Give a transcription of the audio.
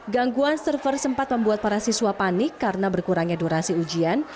gangguan server sempat membuat para siswa panik karena berkurangnya durasi ujian